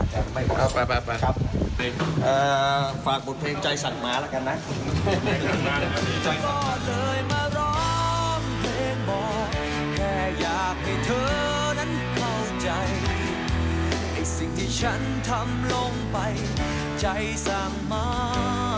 ใจให้สิ่งที่ฉันทำลงไปใจสั่งมา